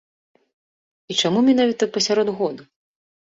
І чаму менавіта пасярод году?